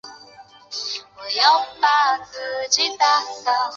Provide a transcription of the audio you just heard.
他在非赛季时则为波多黎各职业棒球联盟的卡瓜斯队效力。